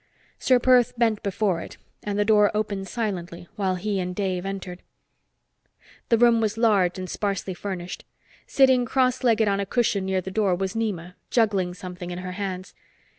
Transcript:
Ser Perth bent before it, and the door opened silently while he and Dave entered. The room was large and sparsely furnished. Sitting cross legged on a cushion near the door was Nema, juggling something in her hands.